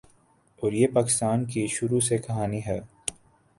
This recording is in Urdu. اور یہ پاکستان کی شروع سے کہانی ہے۔